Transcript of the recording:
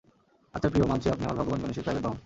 আচ্ছা প্রিয়, মানছি আপনি আমার ভগবান গণেশের প্রাইভেট বাহন।